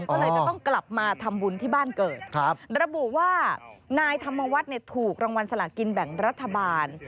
ก็เลยจะต้องกลับมาทำบุญที่บ้านเกิดครับระบุว่านายธรรมวัฒน์เนี่ยถูกรางวัลสลากินแบ่งรัฐบาล